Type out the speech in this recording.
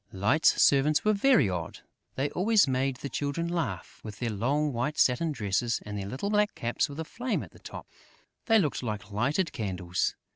Light's servants were very odd! They always made the Children laugh: with their long white satin dresses and their little black caps with a flame at the top, they looked like lighted candles.